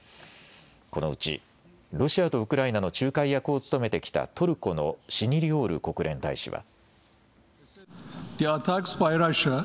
このうち、ロシアとウクライナの仲介役を務めてきたトルコのシニリオール国連大使は。